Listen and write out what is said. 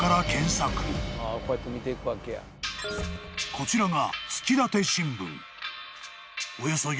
［こちらが］